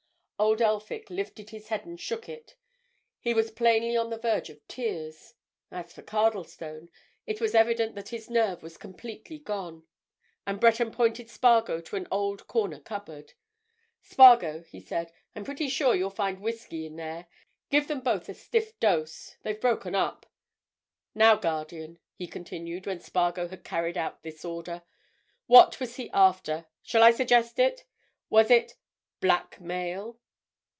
Old Elphick lifted his head and shook it; he was plainly on the verge of tears; as for Cardlestone, it was evident that his nerve was completely gone. And Breton pointed Spargo to an old corner cupboard. "Spargo," he said, "I'm pretty sure you'll find whisky in there. Give them both a stiff dose: they've broken up. Now, guardian," he continued, when Spargo had carried out this order, "what was he after? Shall I suggest it? Was it—blackmail?"